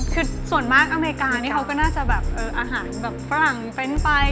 คือส่วนมากอเมริกานี่เขาก็น่าจะแบบอาหารแบบฝรั่งเฟนต์ไป